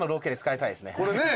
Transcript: これね。